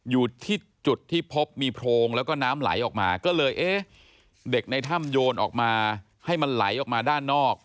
อยู่ที่จุดที่พบมีโพรงแล้วก็น้ำไหลออกมาก็เลยเอ๊ะเด็กในถ้ำโยนออกมาให้มันไหลออกมาด้านนอก